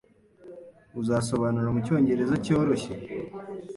Uzabisobanura mucyongereza cyoroshye?